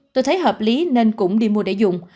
tôi thấy hợp lý nên cũng đi mua để dùng